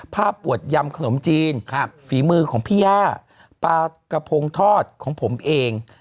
ปวดยำขนมจีนฝีมือของพี่ย่าปลากระพงทอดของผมเอง